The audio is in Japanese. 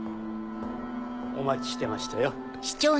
・お待ちしてましたよ。